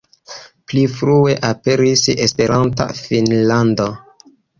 Pli frue aperis "Esperanta Finnlando".